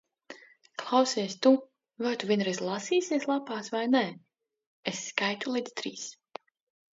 Klausies tu! Vai tu vienreiz lasīsies lapās, vai nē? Es skaitu līdz trīs.